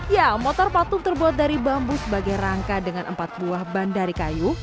ya motor patung terbuat dari bambu sebagai rangka dengan empat buah bandar kayu